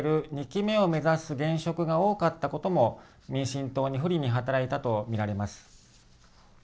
２期目を目指す現職が多かったことも民進党に不利に働いたと見られます。